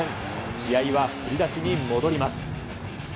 試合は振り出しに戻ります。